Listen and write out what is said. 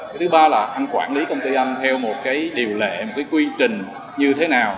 cái thứ ba là anh quản lý công ty anh theo một cái điều lệ một cái quy trình như thế nào